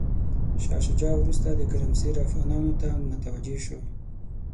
شاه شجاع وروسته د ګرمسیر افغانانو ته متوجه شو.